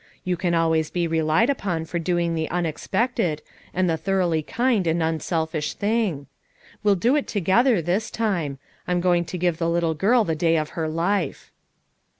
"You can always be relied upon for doing the unex pected, and the thoroughly kind and unselfish thing. We'll do it together this time; I'm go ing to give the little girl the day of her life."